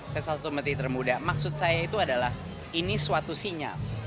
salah satu menteri termuda maksud saya itu adalah ini suatu sinyal